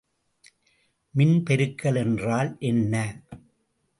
மின்பெருக்கல் என்றால் என்ன?